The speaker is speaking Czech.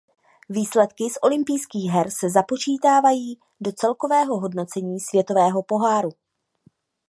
Výsledky z olympijských her se započítávají do celkového hodnocení světového poháru.